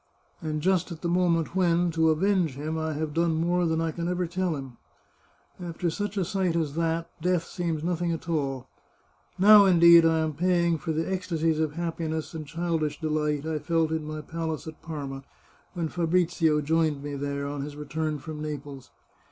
And just at the moment when, to avenge him, I have done more than I can ever tell him ! After such a sight as that, 431 The Chartreuse of Parma death seems nothing at all. Now, indeed, I am paying for the ecstasies of happiness and childish delight I felt in my palace at Parma, when Fabrizio joined me there on his return from Naples.